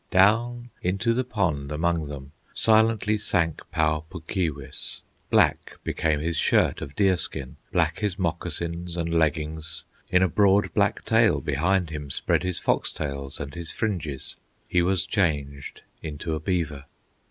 Down into the pond among them Silently sank Pau Puk Keewis; Black became his shirt of deer skin, Black his moccasins and leggings, In a broad black tail behind him Spread his fox tails and his fringes; He was changed into a beaver.